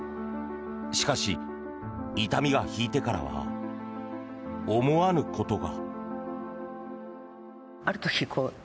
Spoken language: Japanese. しかし、痛みが引いてからは思わぬことが。